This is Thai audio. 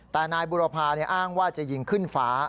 แต่นายบุรพาอ้างว่าจะยิงขึ้นฟ้า